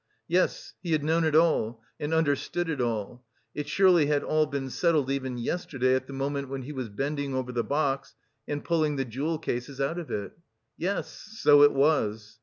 Yes, he had known it all, and understood it all; it surely had all been settled even yesterday at the moment when he was bending over the box and pulling the jewel cases out of it.... Yes, so it was.